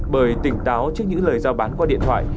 bởi tỉnh táo trước những lời giao bán qua điện thoại